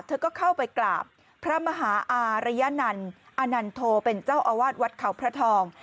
เธอก็เข้าไปกราบพระมหาอารยนันต์อนันโทเป็นเจ้าอาวาสวัดเขาพระทอง